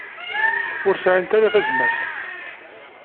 Ur sɛint ara tazmert.